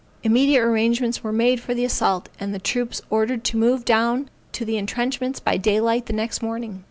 Immediate arrangements were made for the assault, and the troops ordered to move down to the entrenchments by daylight the next morning.